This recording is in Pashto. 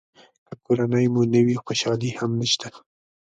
که کورنۍ مو نه وي خوشالي هم نشته.